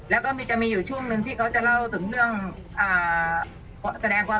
แล้วก็มีจะมีอยู่ช่วงหนึ่งที่เขาจะเล่าถึงเรื่องอ่าแสดงความ